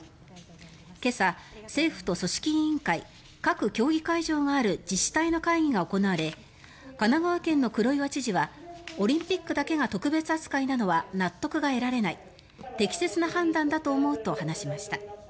今朝、政府と組織委員会各競技会場がある自治体の会議が行われ神奈川県の黒岩知事はオリンピックだけが特別扱いなのは納得が得られない適切な判断だと思うと話しました。